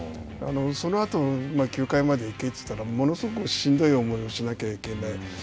そのあと９回まで行けといったらものすごくしんどい思いをしなきゃいけない。